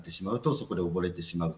そこで溺れてしまう。